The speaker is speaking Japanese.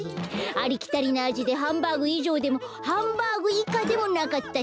ありきたりなあじでハンバーグいじょうでもハンバーグいかでもなかった。